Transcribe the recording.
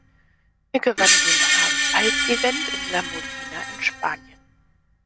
Er gewann den Halfpipe-Event in La Molina in Spanien.